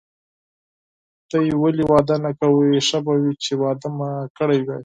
تاسي ولي واده نه کوئ، ښه به وای چي واده مو کړی وای.